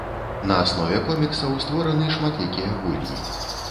На аснове коміксаў створаны шматлікія гульні.